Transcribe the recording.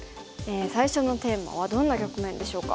最初のテーマはどんな局面でしょうか。